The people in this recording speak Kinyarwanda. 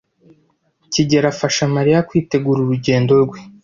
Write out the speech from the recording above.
kigeli afasha Mariya kwitegura urugendo rwe.